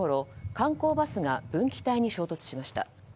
観光バスが分岐帯に衝突しました。